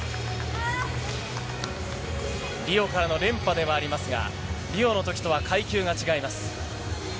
リオからの連覇ではありますが、リオのときとは階級が違います。